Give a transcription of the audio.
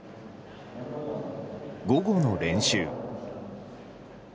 午後の練習。